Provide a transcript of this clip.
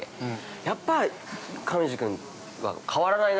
やっぱり、上地君は変わらないな。